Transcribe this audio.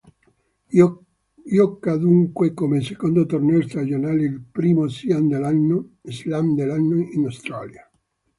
Gioca dunque come secondo torneo stagionale il primo slam dell'anno in Australia.